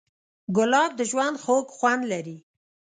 ګلاب د ژوند خوږ خوند لري.